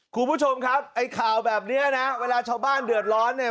คุณผู้ชมครับไอ้ข่าวแบบนี้นะเวลาชาวบ้านเดือดร้อนเนี่ย